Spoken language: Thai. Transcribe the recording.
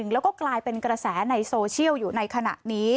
แล้วก็กลายเป็นกระแสในโซเชียลอยู่ในขณะนี้